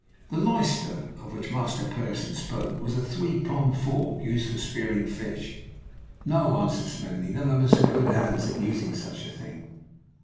The leister of which Master Pearson spoke is a three pronged fork used for spearing fish. "No," answered Smedley; "none of us are good hands at using such a thing."